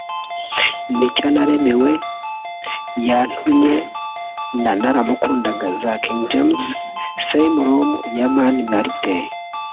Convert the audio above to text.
Nicyo Naremewe; Yantumye na Naramukundaga za King James; Same Room ya Mani Martin